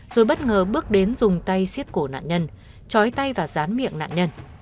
rồi bất ngờ bước đến dùng tay xiết cổ nạn nhân chói tay và rán miệng nạn nhân